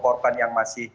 korban yang masih